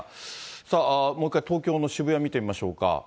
さあ、もう一回東京の渋谷見てみましょうか。